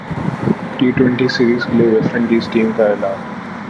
T twenty series کیلئے West Indian team کااعلان